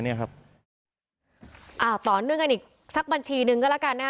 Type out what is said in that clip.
เอาต่อเนื่องกันอีกสักบัญชีหนึ่งก็แล้วกันนะฮะ